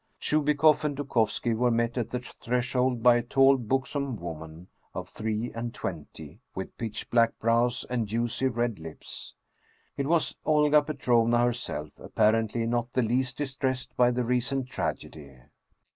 Chubikoff and Dukovski were met at the threshold by a tall buxom woman of three and twenty, with pitch black brows and juicy red lips. It was Olga Petrovna herself, apparently not the least distressed by the recent tragedy.